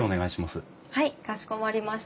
はいかしこまりました。